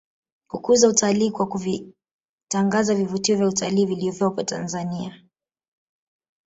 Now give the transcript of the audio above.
Kukuza utalii kwa kuvitangaza vivutio vya utalii vilivyopo Tanzania